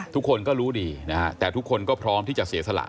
ทุกคนก็รู้ดีนะฮะแต่ทุกคนก็พร้อมที่จะเสียสละ